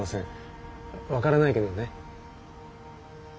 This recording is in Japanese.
分からないけどね。